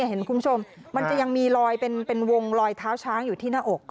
เห็นคุณผู้ชมมันจะยังมีลอยเป็นวงลอยเท้าช้างอยู่ที่หน้าอก